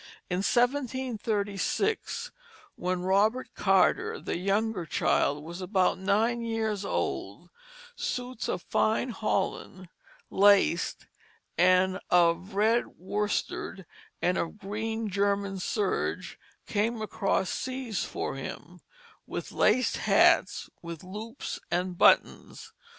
In 1736, when Robert Carter, the younger child, was about nine years old, suits of fine holland, laced, and of red worsted and of green German serge came across seas for him, with laced hats with loops and buttons.